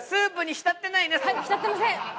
浸ってません！